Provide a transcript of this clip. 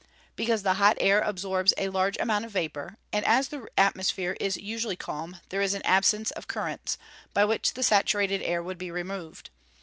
_ Because the hot air absorbs a large amount of vapour, and as the atmosphere is usually calm, there is an absence of currents, by which the saturated air would be removed.